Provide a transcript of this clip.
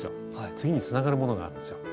次につながるものがあるんですよ。